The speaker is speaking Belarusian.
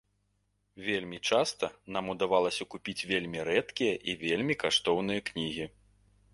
Вельмі часта нам удавалася купіць вельмі рэдкія і вельмі каштоўныя кнігі.